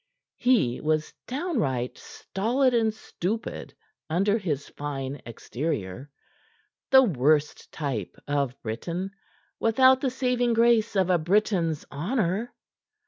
He was downright stolid and stupid under his fine exterior; the worst type of Briton, without the saving grace of a Briton's honor.